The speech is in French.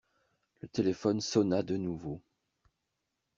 Le téléphone sonna de nouveau.